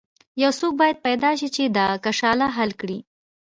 یو څوک باید پیدا شي چې دا کشاله حل کړي.